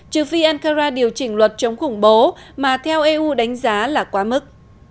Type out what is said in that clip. trừ phi ankara điều chỉnh luật chống khủng bố mà theo eu đánh giá là quá mức